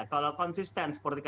kalau konsisten seperti itu